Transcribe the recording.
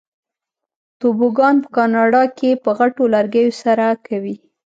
توبوګان په کاناډا کې په غټو لرګیو سره کوي.